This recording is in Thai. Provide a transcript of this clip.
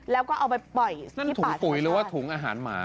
แล้วก็เอาไปปล่อยที่ถุงปุ๋ยหรือว่าถุงอาหารหมา